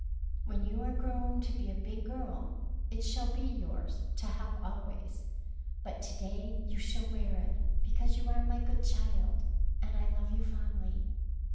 When you are grown to be a big girl, it shall be yours to have always, but to day you shall wear it because you are my good child, and I love you fondly."